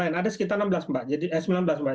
ada sekitar enam belas mbak